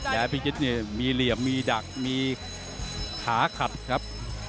แดดภิกฤทธิ์มีเหลี่ยมมีดักมีขาขัดครับ